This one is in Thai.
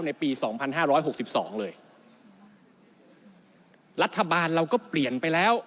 ในปี๒๕๖๒เลยรัฐบาลเราก็เปลี่ยนไปแล้ว